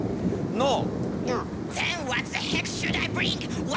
ノー！